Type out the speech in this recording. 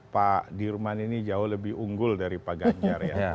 pak dirman ini jauh lebih unggul dari pak ganjar ya